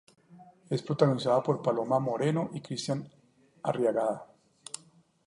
Es protagonizada por Paloma Moreno y Cristián Arriagada.